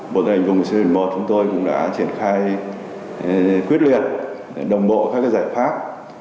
bộ tài hành vùng châu âu một chúng tôi cũng đã triển khai quyết liệt đồng bộ các giải pháp